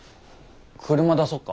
車出そうか？